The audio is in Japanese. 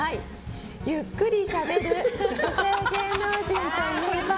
ゆっくりしゃべる女性芸能人といえば？